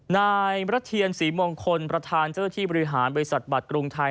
นายรัฐเทียนศรีมงคลประธานเจ้าหน้าที่บริหารบริษัทบัตรกรุงไทย